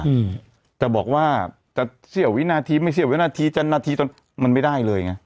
อืมแต่บอกว่าจะเสี้ยววินาทีไม่เสี่ยววินาทีจะนาทีตอนมันไม่ได้เลยไง